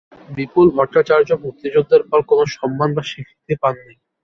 বিপুল ভট্টাচার্য মুক্তিযুদ্ধের পর কোনো সম্মান বা স্বীকৃতি পাননি।